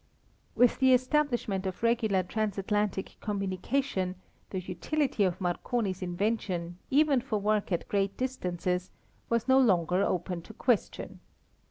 With the establishment of regular transatlantic communication the utility of Marconi's invention, even for work at great distances, was no longer open to question.